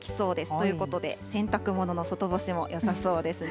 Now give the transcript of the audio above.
ということで、洗濯物の外干しもよさそうですね。